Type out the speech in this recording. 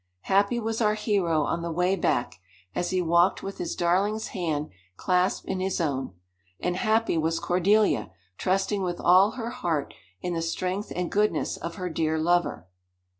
Happy was our hero on the way back, as he walked with his darling's hand clasped in his own! And happy was Cordelia, trusting with all her heart in the strength and goodness of her dear lover!